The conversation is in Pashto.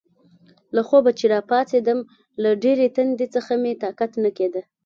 له خوبه چې راپاڅېدم، له ډېرې تندې څخه مې طاقت نه کېده.